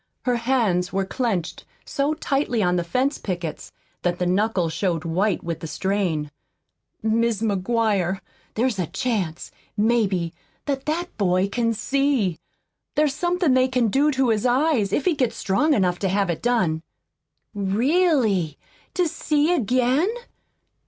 Her hands were clenched so tightly on the fence pickets that the knuckles showed white with the strain. "Mis' McGuire, there's a chance, maybe, that that boy can see. There's somethin' they can do to his eyes, if he gets strong enough to have it done." "Really? To see again?"